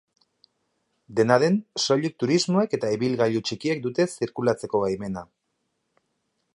Dena den, soilik turismoek eta ibilgailu txikiek dute zirkulatzeko baimena.